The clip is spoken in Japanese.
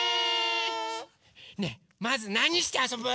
ねえまずなにしてあそぶ？